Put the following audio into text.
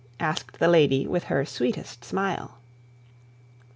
asked the lady with the sweetest smile.